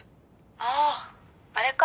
あああれか。